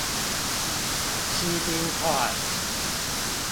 西濱快